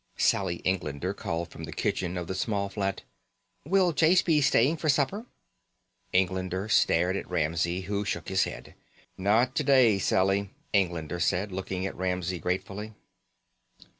Sally Englander called from the kitchen of the small flat: "Will Jase be staying for supper?" Englander stared at Ramsey, who shook his head. "Not today, Sally," Englander said, looking at Ramsey gratefully.